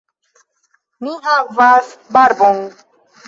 Ni havas barbon.